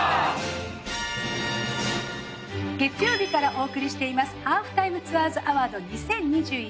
月曜日からお送りしています「ハーフタイムツアーズアワード２０２１」。